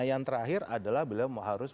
yang terakhir adalah harus